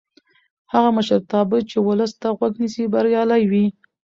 هغه مشرتابه چې ولس ته غوږ نیسي بریالی وي